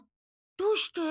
どうして？